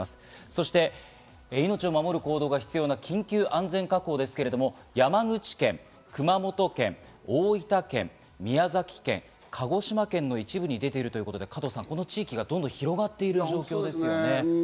そして命を守ることが必要な緊急安全確保ですけれど山口、熊本県、大分県、宮崎県、鹿児島県の一部に出ているということで、この地域がどんどん広がっている状況ですね。